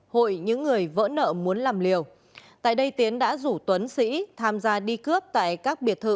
hội những người vỡ nợ muốn làm liều tại đây tiến đã rủ tuấn sĩ tham gia đi cướp tại các biệt thự